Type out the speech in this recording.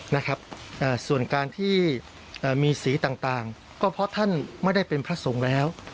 นะครับอ่าส่วนการที่มีสีต่างต่างก็เพราะท่านไม่ได้เป็นพระสงฆ์แล้ว